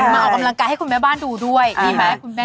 มาออกกำลังกายให้คุณแม่บ้านดูด้วยดีไหมคุณแม่